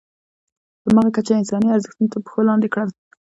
په همغه کچه یې انساني ارزښتونه تر پښو لاندې کړل.